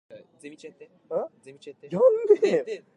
Magic Leap is a Virtual retinal display system using light fields.